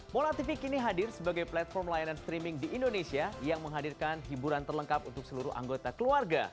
mola tv kini hadir sebagai platform layanan streaming di indonesia yang menghadirkan hiburan terlengkap untuk seluruh anggota keluarga